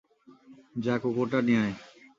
যা কুকুরটা নিয়ে আয়!